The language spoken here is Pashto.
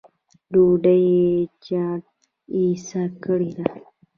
ډوډۍ چڼېسه کړې ده